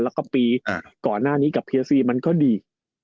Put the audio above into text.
แล้วก็ปีก่อนหน้านี้กับเพียซีมันก็ดี